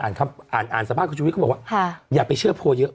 อ่านครับอ่านอ่านสธาตุครูชุวิกเขาบอกว่าค่ะอย่าไปเชื่อโพช์เยอะ